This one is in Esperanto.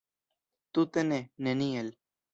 Tute ne, neniel.